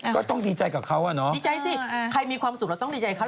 ก็ต้องดีใจกับเขาอ่ะเนาะดีใจสิใครมีความสุขเราต้องดีใจเขา